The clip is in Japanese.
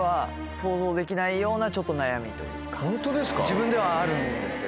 自分ではあるんですよ。